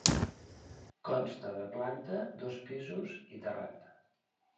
Consta de planta, dos pisos i terrat.